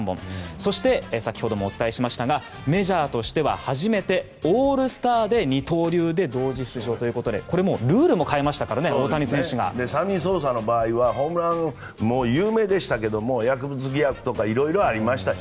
そして先ほどもお伝えしましたがメジャーとしては初めてオールスターで二刀流で同時出場ということでルールも変えましたからサミー・ソーサの場合はホームラン、有名でしたけど薬物疑惑とかいろいろありましたし。